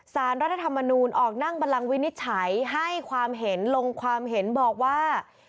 สารรัฐธรรมนูลออกนั่งบันลังวินิจฉัยให้ความเห็นลงความเห็นบอกว่า